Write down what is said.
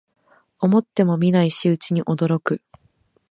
思ってもみない仕打ちに驚く